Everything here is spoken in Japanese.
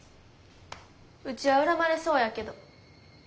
ウチは恨まれそうやけど。